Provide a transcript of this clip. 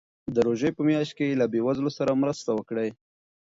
د روژې په میاشت کې له بېوزلو سره مرسته وکړئ.